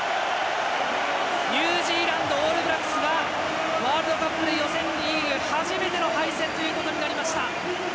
ニュージーランドオールブラックスがワールドカップで予選リーグ初めての敗戦となりました。